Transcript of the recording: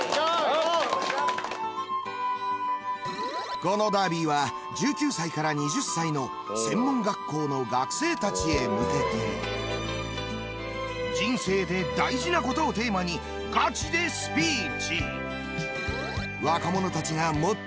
このダービーは１９歳から２０歳の専門学校の学生たちへ向けて「人生で大事な事」をテーマにガチでスピーチ！